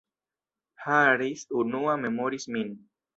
Harris, unua, memoris min.